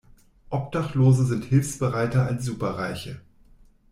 Obdachlose sind hilfsbereiter als Superreiche.